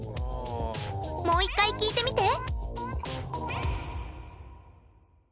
もう１回聞いてみて！